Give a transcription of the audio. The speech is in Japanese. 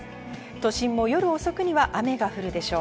都心も夜遅くには雨が降るでしょう。